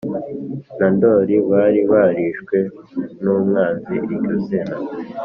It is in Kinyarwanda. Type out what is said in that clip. na Ndori bari barishwe n umwanzi Iryo zina